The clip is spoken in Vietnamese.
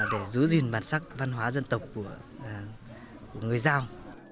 để giữ gìn bản sắc văn hóa dân tộc của người giao